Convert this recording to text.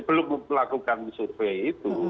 belum melakukan survei itu